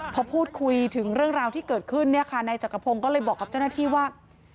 พอพูดคุยถึงเรื่องราวที่เกิดขึ้นเนี่ยค่ะนายจักรพงศ์ก็เลยบอกกับเจ้าหน้าที่ว่า